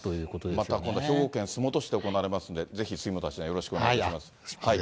また今度兵庫県洲本市で行われますので、ぜひ杉本八段よろしくお願いします。